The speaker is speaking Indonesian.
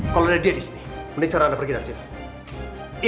kalau dia di sini menikah anda pergi dari sini